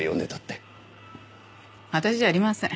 私じゃありません。